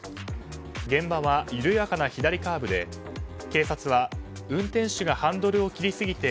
現場は緩やかな左カーブで警察は運転手がハンドルを切りすぎて